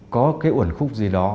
có cái ổn khúc gì đó